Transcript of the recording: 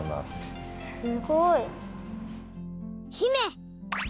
すごい！姫！